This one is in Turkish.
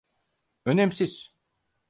Önemsiz.